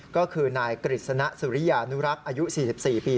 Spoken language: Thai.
ก็คือนายกฤษณะสุริยานุรักษ์อายุ๔๔ปี